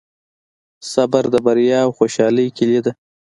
صبر د بریا او خوشحالۍ کیلي ده.